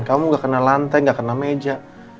kamu gak kena lantai gak kena meja